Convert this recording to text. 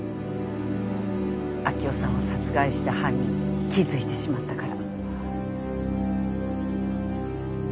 明生さんを殺害した犯人に気付いてしまったから。